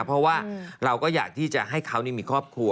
เพราะว่าเราก็อยากที่จะให้เขามีครอบครัว